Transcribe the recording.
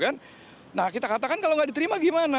nah kita katakan kalau tidak diterima bagaimana